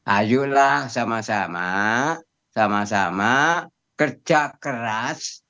ayolah sama sama sama kerja keras